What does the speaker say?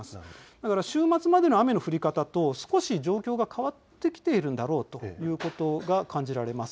だから週末までの雨の降り方と少し状況が変わってきているんだろうということが感じられます。